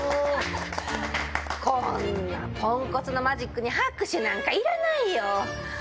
こんなポンコツのマジックに拍手なんかいらないよ！